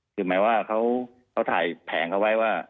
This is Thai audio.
คือหมายว่าเขาถ่ายแผงเขาไว้ว่า